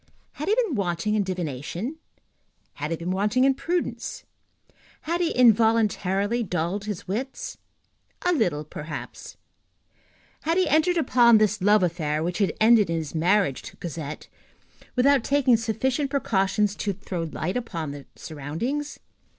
Had he been wanting in divination? Had he been wanting in prudence? Had he involuntarily dulled his wits? A little, perhaps. Had he entered upon this love affair, which had ended in his marriage to Cosette, without taking sufficient precautions to throw light upon the surroundings?